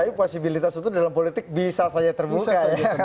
tapi posibilitas itu dalam politik bisa saja terbuka